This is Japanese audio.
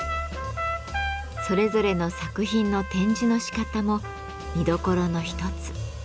それぞれの作品の展示のしかたも見どころの一つ。